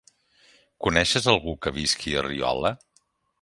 Coneixes algú que visqui a Riola?